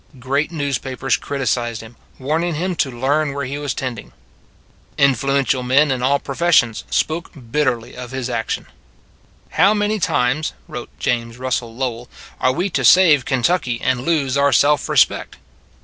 Great newspapers criticized him, warning him to learn where he was tending. Influential men in all pro fessions spoke bitterly of his action. " How many times, wrote James Rus sell Lowell, are we to save Kentucky and lose our self respect?